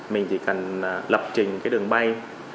mình chỉ cần lập trình đường bay